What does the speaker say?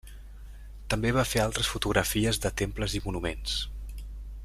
També va fer altres fotografies de temples i monuments.